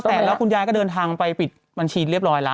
เสร็จแล้วคุณยายก็เดินทางไปปิดบัญชีเรียบร้อยแล้ว